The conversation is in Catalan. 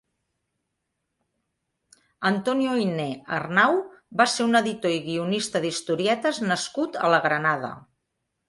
Antonio Ayné Arnau va ser un editor i guionista d'historietes nascut a la Granada.